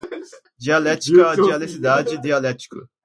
Dialética, dialeticidade, dialético